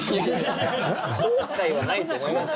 後悔はないと思いますよ。